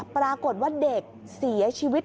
ปรากฏว่าเด็กเสียชีวิต